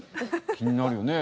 気になるよね。